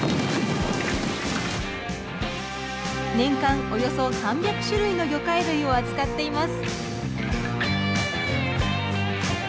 年間およそ３００種類の魚介類を扱っています。